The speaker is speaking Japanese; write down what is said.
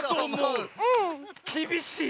きびしい！